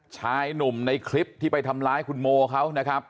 ชายหนุ่มในคลิปที่ไปทำร้ายคุณโมเขานะครับ